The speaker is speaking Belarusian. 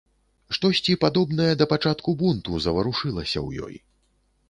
Штосьці падобнае да пачатку бунту заварушылася ў ёй.